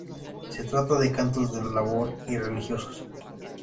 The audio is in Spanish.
Se trata de cantos de labor y religiosos.